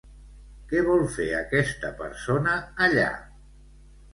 Què vol fer aquesta persona allà?